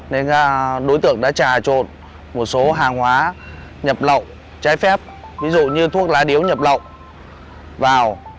nên đối tượng đã trà trộn một số hàng hóa nhập lậu trái phép ví dụ như thuốc lá điếu nhập lậu vào